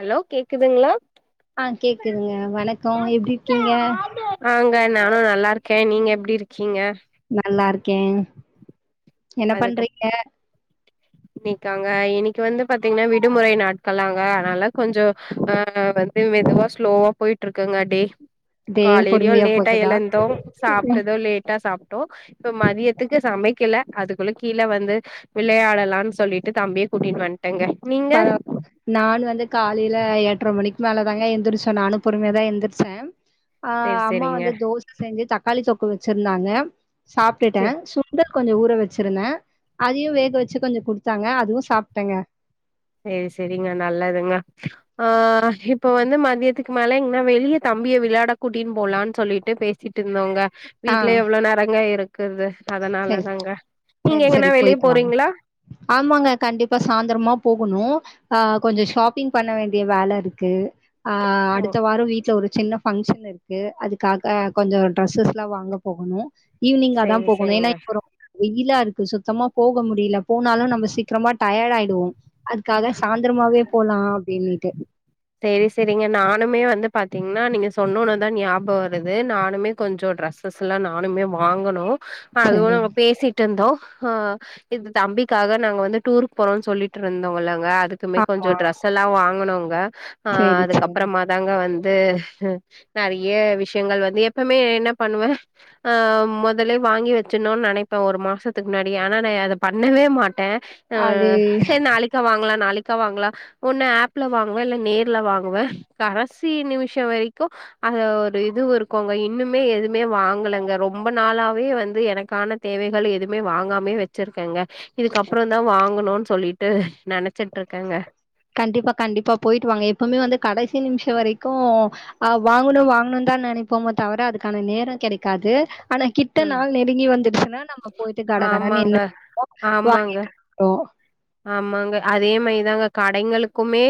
Hello கேக்குதுங்ளா ஆஹ் கேக்குதுங்க வணக்கம் எப்டி இருக்கீங்க ஆங்க நானும் நல்லா இருக்கேன் நீங்க எப்டி இருக்கீங்க நல்லா இருக்கேன் அதுக்கு இன்னைக்காங்க இனி இன்னைக்கி வந்து பாத்தீங்கன்னா விடுமுறை நாட்களாங்க அதனால கொஞ்சம் அஹ் வந்து மெதுவா ஸ்லோவா போயிட்டுருக்குங்க டே இதே காலையிலயும் பொறுமையா லேட்டா போகுதா எழுந்தோம் ம், சாப்பிட்டதும் லேட்டா சாப் இப்ப மதியத்துக்கு சமைக்கல அது கீழே வந்து விளையாடலாம்னு சொல்லிட்டு தம்பியே கூட்டிட்டு வந் பர நானும் வந்து காலையில எட்ரை மணிக்கு மேலதாங்க எந்திரிச்சோ நானு பொறுமைய தான் எந்திரச்சேன் சேரி ஆஹ் அம்மா சேரிங்க வந்து தோசை செஞ்சு தக் தக்காளி தொக்கு வச்சிருந்தாங்க சேரி சாப்பிட்டுட்டன் சுண்டக் கொஞ்சம் ஊற வச்சிருந்த அதையும் வேக வச்சு கொஞ்சம் குடுத்தாங்க அதுவும் சாப்டேங்க சேரி சேரிங்க நல்லதுங்க ஆஹ் இப்ப வந்து மதியத்துக்கு மேல எங்கன்னா வெளிய தம்பிய விளையாட கூட்டின்னு போலான்னு சொல்லிட்டு பேசிட்டு இருந்தோங்க ஆ வீட்லயே எவ்ளோ நேரங்க இருக் குறது சரி அதனாலதாங்க நீங்க சரி சரி எங்கன்னா வெளியே போயிட்டு வாங்க போறீங்களா ஆமாங்க. கண்டிப்பா சாயந்தரமா போகணும் ஆஹ் கொஞ்ச ஷாப்பிங் பண்ண வேண்டிய வேலை இருக்கு ஆஹ் ஓ அடுத்த வாரம் வீட்டுல ஒரு சின்ன பங்க்ஷன் இருக்கு அதுக்காக கொஞ்சம் ட்ரெஸ்ஸஸ்லாம் வாங்க போகணும் ஈவினிங்கா தான் சேரி போகணும். ஏன்னா சேரிங்க இப்போ ரொம்ப வெயிலா இருக்கு சுத்தமா போக முடியல போனாலும் நம்ம சீக்கிரமா டயர்ட் ஆயிடுவோம் அதுக்காக சாயந்திரமாவே போலாம் அப்படின்னுட்டு சரி சரிங்க நானுமே வந்து பாத்தீங்கன்னா நீங்க சொன்னுன்னுதான் ஞாபகம் வருது நானுமே கொஞ்சம் ட்ரெஸ்ஸஸ் எல்லாம் நானுமே வாங்கணும் அதுவும் நாங்க சரிங்க. பேசிட்டு இருந்தோம் ஆஹ் இது தம்பிக்காக நாங்க வந்து டூருக்கு போறோம்னு சொல்லிட்டு இருந்தோங்கல்ல அதுக்குமே ஆமா. கொஞ்சம் டிரெஸ் எல்லாம் வாங்கனும்ங் அஹ் சரி, சரி. அதுக்கப்புறமா தாங்க வந்து நறைய விஷயங்கள் வந்து எப்பமே என்ன பண்ணுவே ஆஹ் முதலே வாங்கி வச்சணும்னு நினைப்பே ஒரு மாசத்துக்கு முன்னாடி ஆனா நான் அதை பண்ணவே மாட்டேன் ஆஹ் அது சேரி நாளைக்கா வாங்கலாம் நாளைக்கு க்க வாங்கலாம் ஒன்ன ஆப்ல வாங்கு இல்ல நேர்ல வாங்குவேன் கடைசி நிமிஷம் வரைக்கும் அ ஒரு இது இருக்கோங்க இன்னுமே எதுவுமே வாங்கலங்க ரொம்ப நாளாவே வந்து எனக்கான தேவைகள் எதுவுமே வாங்காமே வச்சிருக்கேங்க இதுக்கப்புறோம் தான் வாங்க ணும்னு சொல்லிட்டு நினச்ச கண்டிப்பா கண்டிப்பா போயிட்டு வாாங்க எப்பவுமே வந்து கடைசி நிமிஷம் வரைக்கு ஆஹ் வாங்கணு வாங்கணு தான் நினைப்போமே தவிர அதுக்கான நேரம் கெடைக்காது ஆனா கிட்ட ம் நாள் நெருங்கி வந்துடுச்சுன்னா நம்ம போயிட்டு கடகடன்னு ஆமாங்க என்னோ ஆமாங்க வாங்கிட்டுறோம் ஆமாங்க அதே மாதிரிதாங்க கடைங்களுக்குமே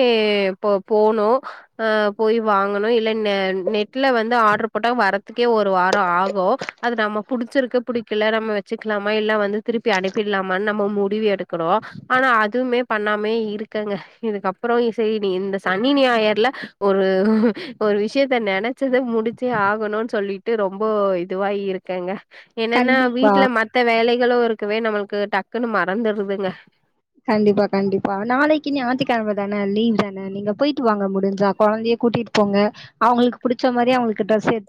போனும் அஹ் போய் வாங்கணும் இல்ல நெட்ல வந்து ஆர்டர் போட்டா வரதுக்கே ஒரு வார ஆகும் அது நம்ம புடிச்சிருக்கு புடிக்கல நம்ம வ வச்சுக்கலாமா இல்லாம் வந்து திருப்பி அனுப்பிடலாமான்னு நம்ம முடிவு எடுத் ஆனா அதுமே பண்ணாமே இருக்கங்க இதுக்கப்புறம் இசரி இந்த சனி ஞாயர்ல ஒரு ஒரு விஷயத்த நெனைச்சதை முடிச்சே ஆகணும்ன்னனு சொல்லிட்டு ரொம்ப இதுவாயி இருக்கங்க என்னன்னா கண்டிப்பா. வீட்டுல மத்த வேலை களும் இருக்கவே நம்மளுக்கு டக்குன்னு மறந்துடுதுங்க கண்டிப்பா கண்டிப்பா நாளைக்கு நீ ஞாத்திக்கிளம தான லீவ் நீங்க போயிட்டு வாங்க முடிஞ்ச குழந்தைய கூட்டிட்டு போங்க அவுங்களுக்கு பிடிச்ச மாதிரி அவுங்களுக்கு ட்ரெஸ் எ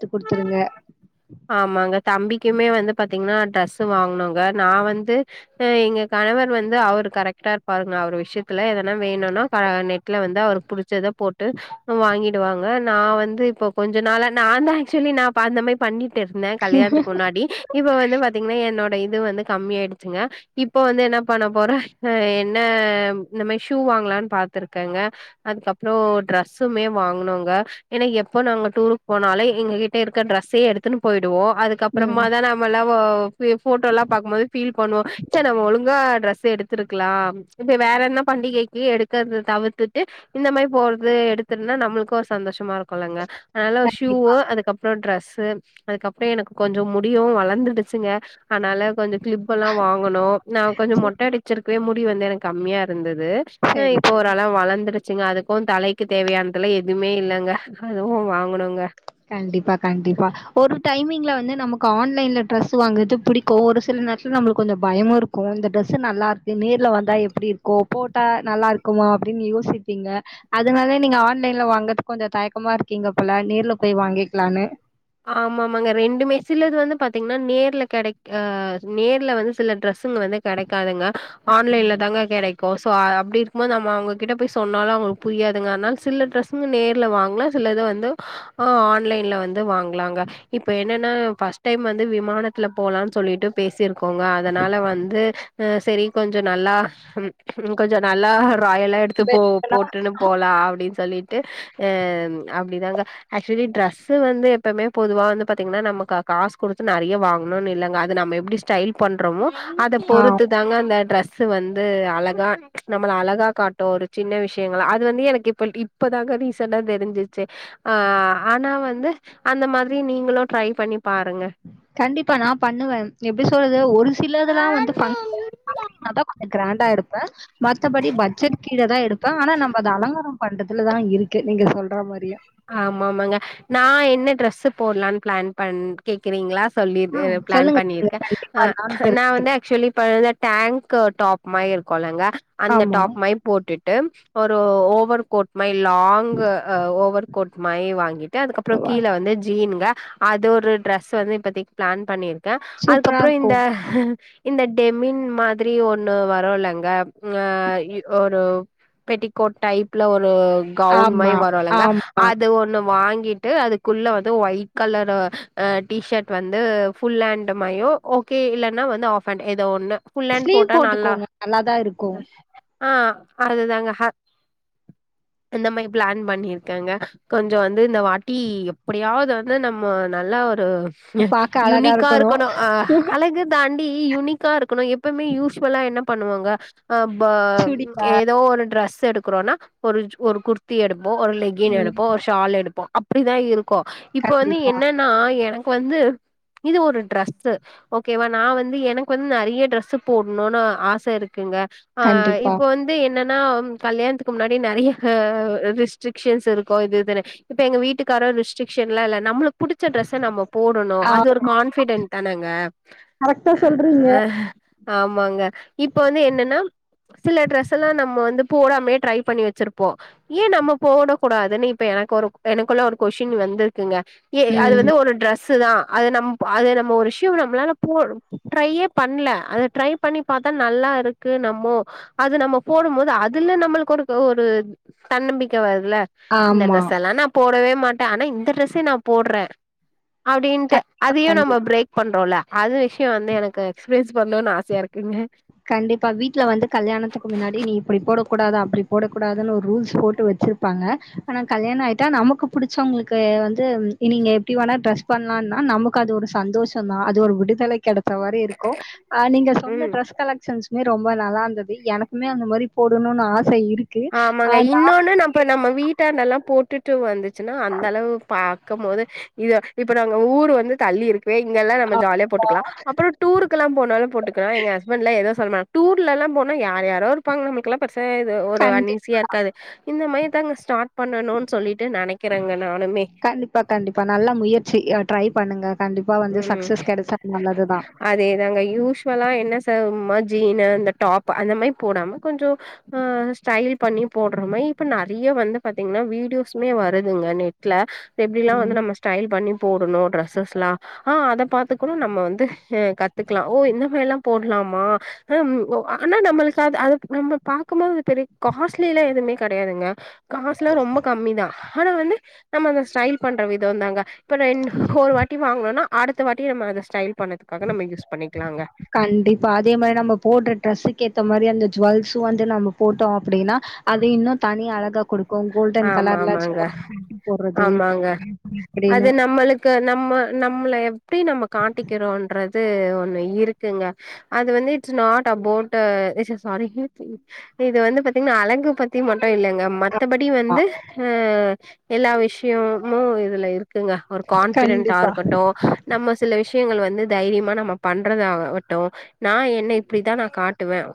ஆமாங்க தம்பிக்குமே வந்து பாத்தீங்கன்னா டிரெஸ் வாங்கனுங்க நான் வந்து எங்க கணவர் வந்து அவரு கரெக்ட்டா இருப்பாருங்க அவரு விஷயத்துல எதுனா வேணும்னா நெட்ல வந்து அவரு புடிச் ச்சத போட்டு வாங்கி டு வாங்க நா வந்து இப்ப கொஞ்ச நாள நான்தா [unintelligible] நா அப்ப அந்த மாரி பண்ணிட்டு இருந்தே கல்யாணத்துக்கு முன்னாடி இப்ப வந்து பாத்தீங்கன்னா என்னோ ட இது வந்து கம்மியாயிடுச்சுங்க இப்ப வந்து என்ன பண்ண போற என்ன இந்த மாரி ஷூ வாங்கலனு பாத்துருக்கங்க அதுக்கப்புற ட்ரெஸுமே வாங்கனுங்க ஏனா எப்ப நா டூருக் போனாலு எங்ககிட்ட இருக்க டிரெஸ்ஸே எடுத்துனு போயி டுவோ அதுக்கப்புறமா ம். தா நாமெல்லா ஒ போ போட்டோ எல்லா பாக்கும் போது ஃபீல் பண்ணுவோ ச நம்ம ஒழுங்கா ட்ரெஸ் எடுத்துருக்கலா இப்ப வேற என்ன பண்டிகைக்கு எடுக்கறது தவிர்த்துட்டு இந்த மாரி போறது எடுத்துன்னா நம்மளுக்கு ஒரு சந்தோஷமா இருக்குலங்க நல்ல ஒரு ஷூவு கண்டிப்பா. அதுக்கப்புற ட்ரெஸூ அதுக்கப்புற எனக்கு கொஞ்ச முடியு வளர்ந்துடுச்சுங்க அதனால கொஞ்ச கிளிப் எல்லா வாங்கணு நா கொஞ்ச மொட்ட அடிச்சிருக் கே முடி வந்து எனக்கு கம்மியா இருந்த து சரி, இப்ப சரி. ஓரளவு வளர்ந்துரு சிங்க அதுக்கு தலைக்கு தேவையானதுல எதுவுமே இல்லங்க அதுவு வாங்கணுங்க கண்டிப்பா கண்டிப்பா ஒரு டைமிங் ல வந்து நமக்கு ஆன்லைன்ல டிரெஸூ வாங்கது பிடிக்கு ஒரு சில நேரத்துல நம்மளுக்கு கொஞ்ச பயமு இருக்கு இந்த ட்ரெஸ் நல்லா இருக்கு நேர்ல வந்தா எப்டி இருக்கோ போட்டா நல்லா இருக்குமா அப்டின்னு யோசிப்பீங்க அதனால நீங்க ஆன்லைன்ல வாங்கறதுக்கு கொஞ்ச தயக்கமா இருக்கீங்க போல நேர்ல போய் வாங்கிக்கலான்னு ஆமாமாங்க ரெண்டுமே சிலது வந்து பாத்தீங்கன்னா நேர்ல கிடைக் ஹ நேர்ல வந்து சில டிரெஸ் வந்து கெடைக்காதுங்க ஆன்லைன்ல ம். தாங்க கெடை போசோ அப்டி இருக்கும்போது நம்ம அவுங்ககிட்ட போய் சொன்னாலு அவங்களுக்கு புரியாதுங்க அதனால சில டரெஸ் நேர்ல வாங்கலா சில வந்து ஹ ஆன்லைன்ல வந் து வாங்கலாங்க இப்ப என்னன்னா பஸ்ட் டைம் வந்து விமானத்தில போலான் சொல்லிட்டு பேசிரு க்கோங்க அதனால வந்து செரி கொஞ்ச நல்லா ஹ் ம் கொஞ்சம் நல்லா ராயெலா எடுத்து போ பெஸ்ட்டா போட்டுன்னு போலா அப்டின்னு சொல்லிட் டு அப்டிதாங்க ஆக்சுவலி ட்ரெஸ் வந்து எப்பமே பொதுவா வந்து பாத்தீங்கன்னா நமக்கு காசு கொடுத்து நெறைய வாங்கணுன்னு இல்லங்க அது நம்ம எப்டி ஸ்டைல் பண்றோமோ அத ஆ பொறுத்து தாங்க அந்த ட்ரெஸ் ஸ் வந்து அலகா நம்மள அலகா காட்டு ஒரு சின்ன விஷயங்கள அது வந்து எனக்கு இப்ப இப்பதாங்க ரீசண்டா தெரிஞ்சிச்சு ஆஹ் ஆனா வந்து அந்த மாதிரி நீங்களு ட்ரை பண்ணி பாருங்க கண்டிப்பா நா பண்ணுவே எப்டி சொல்றது ஒரு சிலதெல்லா வந்து பங் [inaudible] அப்டின்னா தா கொஞ்ச கிராண்டா எடுப்பே மத்தபடி பட்ஜட் கீழதா எடுப்பே ஆனா நம்ப அது அலங்காரம் பண்றத்துலதா இருக்கு நீங்க சொல்ற மாரியா ஆமாமாங்க நான் என்ன டிரெஸ் போட்லான்னு பிளான் பண் கேக்குறீங்களா சொல்லி ஆ பிளான் சொல்லுங்க சிஸ்டர் பண்ணியிருக்கே கண்டிப்பா நானும் நான் வந்து தெரிஞ்சுக்கிறேன். ஆக்சுவலி ப அந்த டேங்க் [inaudible] டாப் மாயி இருக்கும்லங்க அந்த ஆமா. டாப் மாயி போட்டு [inaudible] ஒரு over coat my long over coat மாயி வாங்கிட்டு அதுக்கப்பறம் வா கீழ வந்து ஜீனுங்க அது ஒரு ட்ரெஸ் வந்து இப்பத்தி பிளான் பண்ணிரு [inaudible] சூப்பரா அதுக்கப்பறம் இந்த இருக்கும். இந்த டெமின் மாரி ஒண்ணு வரலங்க அ ஒரு பெட்டிகோட் டைப்ல ஒரு கவுன் ஆமா, மாரி வரும்லங்க ஆமா. அது ஒண்ணு வாங்கி கிட்டு அதுக்குள்ள வந்து ஒயிட் கலர் டி ஷர்ட் வந்து ஃபுல் ஹாண்ட் மாயி ஓகே இலன்னா வந்து ஆப் ஹாண்ட் ஏதோ ஒண்ணு ஃபுல் ஹேண்ட் ஸ்லீவ் போட்டா நல்லா போட்டுக்கோங்க நல்லாதான் இருக்கும் ஆ அதுதாங்கஹ இந்தந்த மாரி பிளான் பண்ணிருக்காங்க கொஞ்சம் வந்து இந்த வாட்டி எப்டியாவது வந்து நம்ம நல்லா பாக்க அழகா யுனிக்கா இருக்கணும் அழகு தாண்டி யூனிக் க்கரு எப்வுமே யூஸ்ஃவல்லா என்ன பண்ணுவாங்க அப் பா சுடிதார். ஏதோ ஒரு ட்ரெஸ் எடுக்கும் இருக்கம்னா ஒரு ஒரு குர்த்தி எடு [inaudible] ஒரு லெகின் ம். எடுப் ஷால் எடுப்போம் அப்டிதான் இருக்கு கோ இப்ப வந்து கண்டிப்பா, என்னனா எனக்கு வந்து இது ஒரு ட்ரெஸ்சு ஓகே வ நான வந்து எனக்கு வந்து நெறைய டிரெஸ் போடணும்னு ஆச இருக்குங்க ஆ கண்டிப்பா. இப்போ வந்து என்னனா ன கல்யாணத்துக்கு முன்னாடி நெறைய ரெஸ்ட்ரிகஷன்ஸ் இருக்கு இதுஇதுனு இப்ப எங்க வீட்டுக்கார ரெஸ்டரிக்ஷன் எல்ல இல்ல நம்ம பிடிச்ச டிரரெஸ்ஸ நம்ம போடணும் அது ஒரு ஆமா. கான்பிடென்ட் தானேங்க கரெக்ட்டா சொல்றீங்க. ஆமாங்க இப்போ வந்து என்னன்னா சில ட்ரெஸ்ஸல்லாம் நம்ம வந்து போடாமே ட்ரை பண்ணி வச்சிருப்போம் ஏன் நம்ம போட கூடாதுன்னு இப்ப எனக்கு ஒரு எனக்குள்ள ஒரு கொஷின் வந்துருக்குங்க ஏ அது ம். வந்து ஒரு ட்ரெஸுதான் அது நம் அது நம்ம ஒரு விஷயம் நம்மளால போ ட்ரையே பண்ணல அத ட்ரை பண்ணி பாத்தா நல்லா இருக்கு நம்மோ அது நம்ம போடும் போது அதுல நம்மளுக்கு ஒரு ஒரு தன்னம்பிக்கை வருல இந்த ஆமா. டிரேஸ்லாம் னா போடவே மாட்டேன் ஆனா இந்த டிரெஸ்ஸே நான போட்றேன் அப்படின்ட்டு கண்டிப்பா, அதையும் கண்டிப்பா. நம்ம பிரேக் பண்றோம்ல அது விஷயம் வந்து எனக்கு எக்ஸ்பீரியன்ஸ் பண்ணணும்ன்னு ஆசையா இருக்குங்க கண்டிப்பா வீட்டுல வந்து கல்யாணத்துக்கு முன்னாடி நீ இப்படி போடக்க கூடாது அப்படி போடக்க கூடாதுன்னு ஒரு ரூல்ஸ் போட்டு வச்சிருப்பாங்க ஆனா கல்யாணம் ஆயிட்டா நமக்கு புடிச்சவங்களுக்கு வந்து நீங்க எப்படி வேணா ட்ரெஸ் பண்ணலாம்னா நமக்கு அது ஒரு சந்தோஷம் தான் அது ஒரு விடுதலை கெடைச் மாரி இருக்கும் ஹ் நீங்க சொன்ன ம் ன்மே ரொம்ப நல்லா இருந்தது எனக்குமே அந்த மாதிரி போடணும்னு ஆச ஆமாங்க இன்னொன்னு நம்ம நம்ம வீட்டாண்டல்லாம் போட்டுட் டூ வந்துச் சுனா அந்தளவு பா இருக்கும் போது இது இப்ப நாங்க ஊரு வந்து தள்ளி இருக்கு ங்கெல்லாம் நம்ம ஜாலியா போட்டுக்கலாம் டூருக்கு எல்லாம் போனாலும் போட்டுக்கலாம் எங்க ஹஸ்பண்ட்லாம் எது சொல்ல மாட் டூர்ல எல்லாம் போனா யார் யாரோ இருப்பாங்க நமளுக்கெல்லாம் பிரச்சனை இது கண்டி அன்ஈஸியா இருக்காது இந்த மாதிரி அங்க ஸ்டார்ட் பண்ணணும்ன்னு சொல்லிட்டு நெனைக்கிறேங்க நானுமே கண்டிப்பா, கண்டிப்பா. நல்ல முயற்சி. அ ட்ரை பண்ணுங்க கண்டிப்பா வந்து உம் சக்சஸ் கிடைச்சா நல்லது தான். அதே தாங்க யூஸுவலா என்ன ச ம ஜீனு இந்த டாப் அந்த மாரி போடாம கொஞ்சம் ஆஹ் ஸ்டைல் பண்ணி போடுற மாரி இப்ப நறைய வந்து பாத்தீங்கன்னா வீடியோஸ்மே வருதுங்க நெட்ல எப்டில்லாம் ம். வந்து நம்ம ஸ்டைல் பண்ணி போடணும் டிரெஸ்ஸஸ்லாம் ஆஹ் அத பாத்து கூட நம்ம வந்து கத்துக்கலாம் ஓ இந்த மாரி எல்லாம் போடலாமா ஹம் ஆனா நம்மளுக்கு அது அது நம்ம பாக்கும் போது பெரிய காஸ்ட்லி எல்லாம் எதுவுமே கெடையாதுங்க காசுல்லாம் ரொம்ப கம்மி தான் ஆனா வந்து நம்ம அந்த ஸ்டைல் பண்ற விதம் தாங்க இப்ப ந ஒரு வாட்டி வாங்கணும்னா அடுத்த வாட்டிநம்ம அதை ஸ்டைல் பண்றதுக்காக நம்மயூஸ் பண்ணிக் கண்டிப்பா அதே மாரி நம்ம போடுற டிரரெஸுக்கு ஏத்த மாதிரி அந்த ஜுவல்ஸ் வந்து நம்ம போட்டோம் அப்டின்னா அது இன்னும் ஆமா சும்மா போடுறது ஆமாங்க அது இப்டின்னு நம்மளுக்கு நம்ம நம்மளை எப்டி நம்ம காட்டிக்கிறோம்ன்றது ஒன்னு இருக்குங்க அது வந்து இட்ஸ் நாட் அபொட் ஷாரி இதுவந்து பாத்தீங்கன்னா அழங்க பத்தி மட் இல்லைங்க மத்தபடி ஆ வந்து எல்லா விஷயமுஇதுல இருக்கு இருக்குங்க ஒரு கான்பிடென்டா கண்டிப்பா இருக்கட்டும் நம்ம சில விஷயம் விஷயங்கள் வந்து தைரியமா நம்ம பண்றதாகட்டும் நா என்ன இப்டிதா நா காட்டுவன்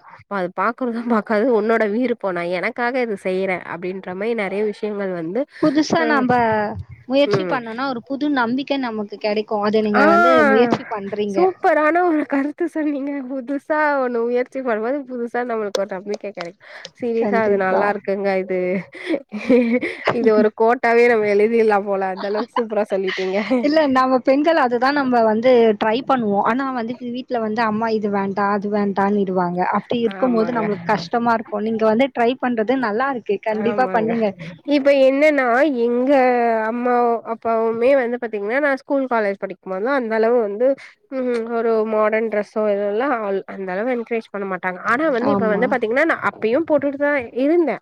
அது பாக்றதா பாக்கதோ உன்னோட வீறுபம் நா எனக்காக செய்றே அப்டின்ற மாரி நெறைய விஷயங்கள் வந் புதுசா நம்ப முயற்சி பண்ணோனா ஒரு புது நம்பிக் ஆஹ் முயற்சி பண்றீங்க சூப்பரானா ஒரு கருத்து சொன்னீங்க பு [unintelligible] ஒண்ணு உயற்சி பண்ணும்போது புதுசா நம்முளுக் [unintelligible] நம்பிக்க கெடைக் சீரியஸ்சா அது கண்டிப்பா நல்லா இருக்குங்க இது [inaudible] இது ஒரு கோட்டாவே நம் எளிதில்லாம் போல அந்த அளவுக்கு சூப்ரா சொல்லிடீங்க ல்ல நம்ம பெண்கள அதுதா நம்ம வந்து ட்ரை பண்ணுவோ ஆனா வந்துட்டு வீட்டுல வந் இது அம்மா இது வேண்டா அது வேண்டானிடுவாங்க ய அப்டி இருக்கும் போது ஆமாங்க நம்ளுக் கஷ்டமா இருக்கு நீங்க வந்து ட்ரைப் பண்றது நல்லா இருக்கு கண்டிப்பா ஆமாங்க பண்ணுங்க இப்ப என்னனா எங்க அம்மாவு அப்பாவுமே வந்து பாத்தீங்கனா நா ஸ்கூல் காலேஜ் படிக்கும்போதுலா அந்தளவு வந்து உம் ஒரு மாடன் ட்ரெஸ்சோ இதெல்லா அந்த அளவு என்க்ரேஜ் பண்ண மாட்டாங்க ஆனா வந்து இப்ப ஆமா வந்து பாத்தீங்கனா நா அப்பயு போட்டுட்டுதா இருந்தே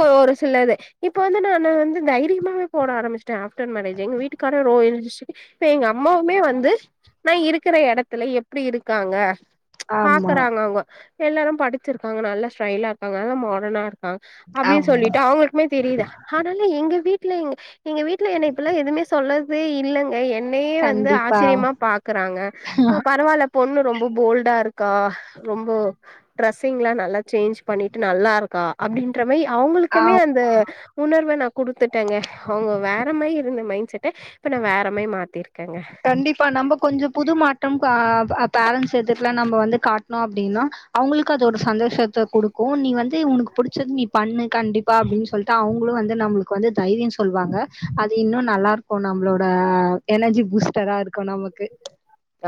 க்கு சிலது இப்ப வந்து நா நா வந்து தைரியமாவே போட ஆரம்பிச்ட்டே ஆப்டர் மேரேஜ் எங்க வீட்டுக்காரறோ [unintelligible] இப்பே எங்கு அம்மாவுமே வந்து நா இருக்கிற எடத்துல எப்டி இருக்காங்க ஆமா பாக்குறாங்க அவுங்க எல்லாரும் படிச்சிருக்காங்க நல்ல ஸ்ரைலா இருக்காங்க இல்லனா மாடனா இருக்காங் அப்டினு ஆமா சொல்லிட்டு அவுங்களுக்குமே தெரியிதா ஆனாலு எங்க வீட் ட்லேங்க எங்க வீட்டுல என்ன இப்புல்லா எதுவுமே சொல்லத் து இல்லங்க என் னே வந்து கண்டிப்பா ஆச்சிரியமா பாக்குறாங்க ஆ பரவால்ல பொண்ணு ரொம் ரொம்ப போல்டா இருக்கா ரொம்ப ட்ரெஸ்ஸிங்கீலா நல்லா சேஞ்சு பண்ணிட்டு நல்லா இருக்கா அப்டின் ற்றமைய ஆ அவுங்குளுக்குமே அந்த உணர்வ நா குடுத்துட்டேங்க அவுங்க வேற மாரி இருந்த மைண் செட் ட்டு இப்ப நா வேற மாரி மாத்திருக் கண்டிப்பா நம்ப கொஞ்ச புது மாற்றம் பா பேரண்ட்ஸ் எதுர்ல நம்ம வந்து காட் னோ அப்டினா அவுங்களுக்கு அதோட சந்தோஷத்த கொடுக்கு நீ வந்து உனக்கு புடிச்சது நீப் பண்ணு கண்டிப்பா அப்டின்னு சொல்லிட்டு அவுங்குளு வந்து நம்ளுக்கு வந்து தைரியம் சொல்லுவாங்க அது இன்னொன் நல்லாருக்கு நம்ளோட எனர்ஜி பூஸ்ட் ட்டரா இருக்கு நமக்கு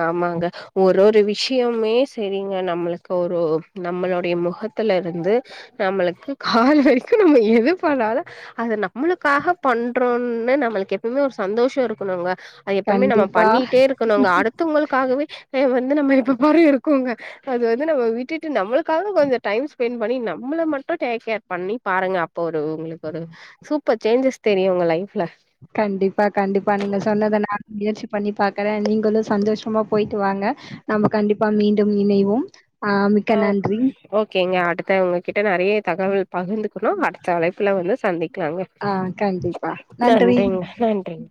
ஆமாங்க ஒரொரு விஷ்ஷியமே சேரிங்க நம்முளுக்கு ஒரு நம்மளுடைய முகத்துல இருந்து நம்ளுக்கு கால் வரைக்கு நம்ம எது பண்ணாலு அது நம்முளுக்காக பண்றோன்னு நம்ளுக்கு எப்பவுமே ஒரு சந்தோஷம் இருக்குணுங்க அது எப்பமே நம்ம கண்டிப்பா பண்ணிட்டே இருக்கணுங்க அடுத் தவுங்களுக்காகவே ஆ வந்து நம்ம எப்ப பாரு இருக்கோங்க அத வந்து நம்ம விட்டுட்டு நம்மளுக்காக கொஞ்ச டைம் ஸ்பெண்ட் பண்ணி நம்மள மட்டு டேக் கேர் பண்ணி பாருங்க அ ப்ப ஒரு உங்களுக்கு ஒரு சூப்பர் சேஞ்சஸ் தெரியு உங்க லைஃப்ல கண்டிப்பா கண்டிப்பா நீங்க சொன்னத நானு முயற்சி பண்ணி பாக்குறே நீங்களு சந்தோஷமா போயிட்டு வாங்க நம்ம கண்டிப்பா மீண்டும் இணைவோம் மிக்க ஆ நன்றி ஓகேங்க அடுத்த உங்ககிட்ட நெறைய தகவல் பகிர்ந்து க்கணு அடுத்த அழைப்புல வந்து சந்திக் க்கலாங்க ஆ கண்டிப்பா நன்றி நன்றிங்க நன்றிங்க